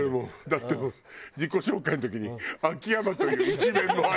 だってもう自己紹介の時に「秋山という一面もあります」って。